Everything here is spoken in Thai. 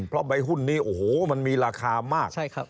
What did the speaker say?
เพราะใบหุ้นนี้โอ้โหมันมีราคามาก